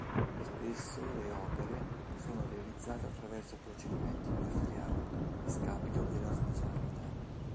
Spesso le opere sono realizzate attraverso procedimenti industriali, a scapito dell'artigianalità.